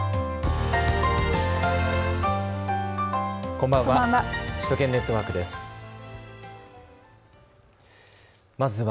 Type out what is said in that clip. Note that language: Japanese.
こんばんは。